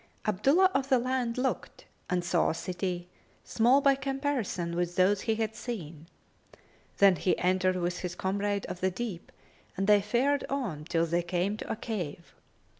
Abdullah of the Land looked and saw a city small by comparison with those he had seen; then he entered with his comrade of the deep and they fared on till they came to a cave.